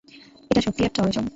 এটা সত্যিই একটা অর্জন।